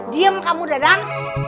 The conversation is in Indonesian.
diam kamu dadan